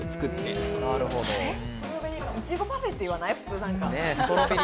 普通、いちごパフェって言わない？